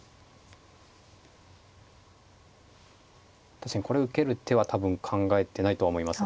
確かにこれ受ける手は多分考えてないとは思いますね。